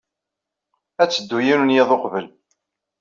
Ad teddu yiwen n yiḍ uqbel.